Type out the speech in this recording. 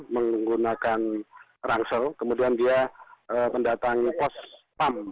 menggunakan rangsel kemudian dia mendatangi pos pam